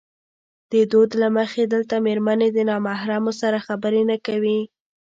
د دود له مخې دلته مېرمنې د نامحرمو سره خبرې نه کوي.